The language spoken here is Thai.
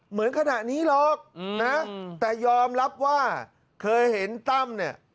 เหมือนขณะนี้หรอกนะแต่ยอมรับว่าเคยเห็นตั้มเนี่ย